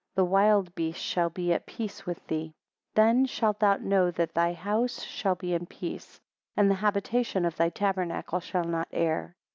The wild beast shall be at peace with thee. 12 Then shalt thou know that thy house shall be in peace; and the habitation of thy tabernacle shall not err.